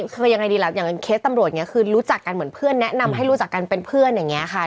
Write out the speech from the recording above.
คือยังไงดีล่ะอย่างเคสตำรวจอย่างนี้คือรู้จักกันเหมือนเพื่อนแนะนำให้รู้จักกันเป็นเพื่อนอย่างนี้ค่ะ